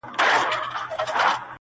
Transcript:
ګنهكاره سوه سورنا- ږغ د ډولونو-